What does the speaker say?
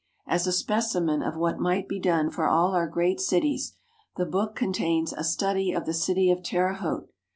As a specimen of what might be done for all our great cities, the book contains "A Study of the City of Terre Haute."